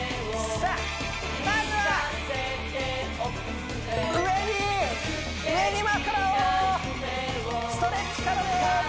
さあまずは上に上に枕をストレッチからです